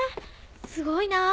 すごいなぁ！